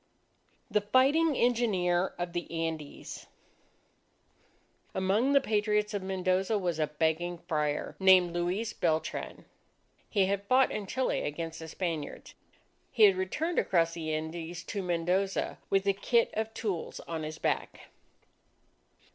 _ THE FIGHTING ENGINEER OF THE ANDES Among the Patriots of Mendoza was a begging Friar, named Luis Beltran. He had fought in Chile against the Spaniards. He had returned across the Andes to Mendoza with a kit of tools on his back.